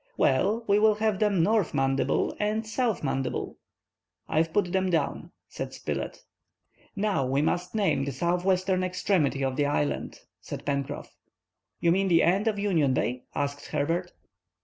"Well, we will have them North Mandible and South Mandible." "I've put them down," said Spilett. "Now we must name the southwestern extremity of the island," said Pencroff. "You mean the end of Union Bay?" asked. Herbert.